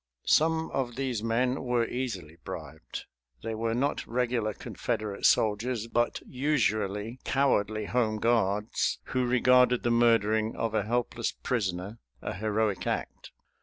Some of these men were easily bribed. They were not regular Confederate soldiers, but usually cowardly home guards, who regarded the murdering of a helpless prisoner a heroic act.